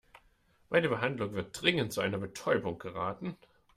Bei der Behandlung wird dringend zu einer Betäubung geraten.